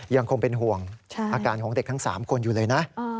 ยังคงเป็นห่วงอาการของเด็กทั้ง๓คนอยู่เลยนะ